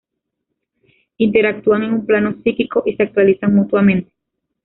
Interactúan en un plano psíquico y se actualizan mutuamente.